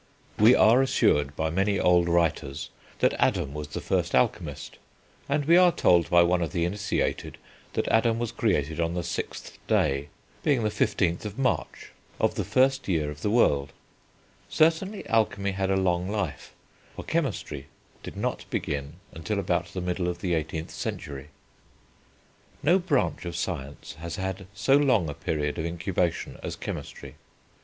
We are assured by many old writers that Adam was the first alchemist, and we are told by one of the initiated that Adam was created on the sixth day, being the 15th of March, of the first year of the world; certainly alchemy had a long life, for chemistry did not begin until about the middle of the 18th century. No branch of science has had so long a period of incubation as chemistry.